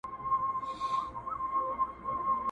لېوه هغه مېږه خوري چي د رمې څخه جلا وي.